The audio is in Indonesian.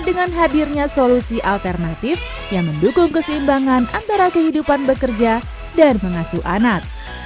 dengan hadirnya solusi alternatif yang mendukung keseimbangan antara kehidupan bekerja dan mengasuh anak